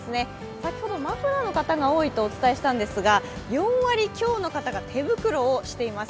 先ほどマフラーの方が多いとお伝えしたんですが、４割強の方が手袋をしています。